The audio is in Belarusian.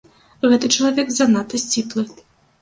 Гэты чалавек занадта сціплы.